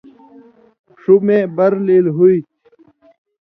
ݜُو مے بَر لیل ہُوئ تھی،